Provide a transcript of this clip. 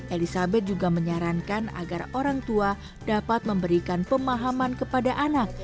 elizabeth juga menyarankan agar orang tua dapat memberikan pemahaman kepada anak